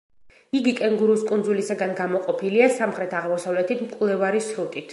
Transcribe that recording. იგი კენგურუს კუნძულისაგან გამოყოფილია სამხრეთ-აღმოსავლეთით მკვლევარი სრუტით.